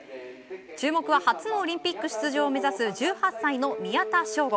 注目は初のオリンピック出場を目指す、１８歳の宮田将吾。